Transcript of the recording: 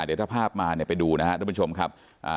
เดี๋ยวถ้าภาพมาเนี่ยไปดูนะครับทุกผู้ชมครับ